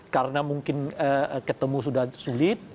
karena mungkin ketemu sudah sulit